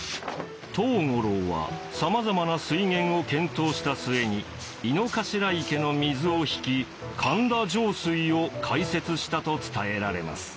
藤五郎はさまざまな水源を検討した末に井の頭池の水を引き神田上水を開設したと伝えられます。